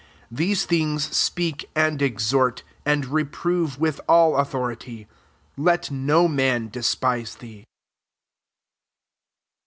15 These things speak, and exhort, ana reprove with all authority. Let no man despise thee.